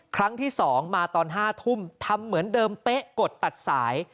ครั้งที่๒มาตอน๕ทุ่มทำเหมือนเดิมเป๊ะกดตัดสาย